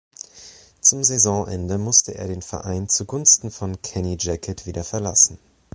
Zum Saisonende musste er den Verein zugunsten von Kenny Jackett wieder verlassen.